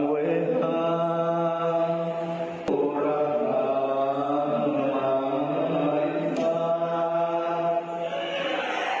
เจ้าคาวโมสีขึ้นยัง